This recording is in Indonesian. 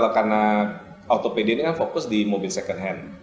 maka ada tentara lain yg melakukan kebutuhan